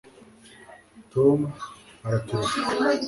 Tom araturusha